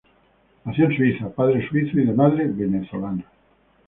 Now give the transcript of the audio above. Nació en Suiza, padre suizo y de madre venezolana.